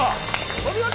お見事。